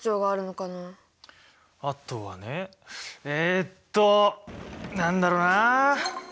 あとはねえっと何だろうなあ。